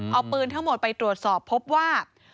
เอาปืนทั้งหมดไปตรวจสอบพบว่า